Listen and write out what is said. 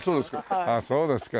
ああそうですか。